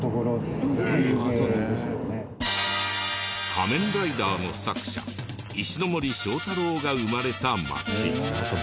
『仮面ライダー』の作者石ノ森章太郎が生まれた街。